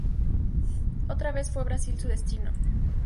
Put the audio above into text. Otra vez fue Brasil su destino.